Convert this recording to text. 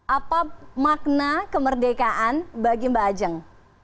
apa makna kemerdekaan bagi mbak ajeng